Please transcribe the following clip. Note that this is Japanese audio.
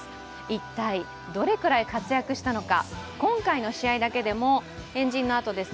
一体どれくらい活躍したのか。